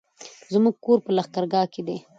زموږ کور په لښکرګاه کی دی